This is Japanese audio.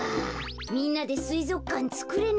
みんなですいぞくかんつくれないかな。